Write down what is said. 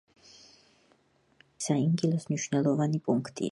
შემდგომ იგი უკვე საინგილოს მნიშვნელოვანი პუნქტია.